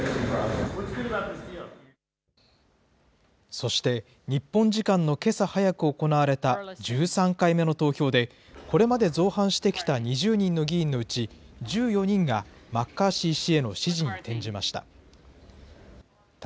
そして、日本時間のけさ早く行われた１３回目の投票で、これまで造反してきた２０人の議員のうち１４人がマッカーシー氏への支持に転じました。